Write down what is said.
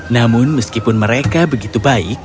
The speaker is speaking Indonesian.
namun meskipun mereka begitu baik